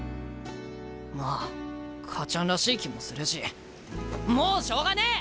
まあ母ちゃんらしい気もするしもうしょうがねえ！